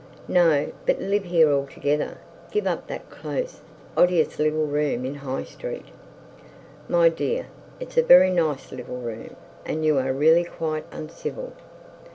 'No, but live here altogether. Give up that close, odious little room in High Street.' 'My dear, it's a very nice little room; and you are really quite uncivil.'